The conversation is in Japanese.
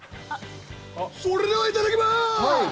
それではいただきます！